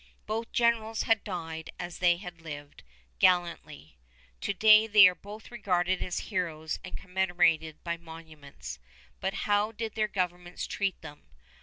Both generals had died as they had lived, gallantly. To day both are regarded as heroes and commemorated by monuments; but how did their governments treat them?